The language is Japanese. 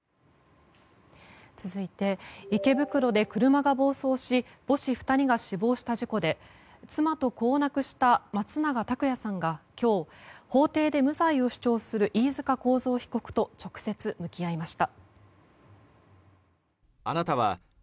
続いて、池袋で車が暴走し母子２人が死亡した事故で妻と子を亡くした松永拓也さんが今日、法廷で無罪を主張する飯塚幸三被告と直接、向き合いました。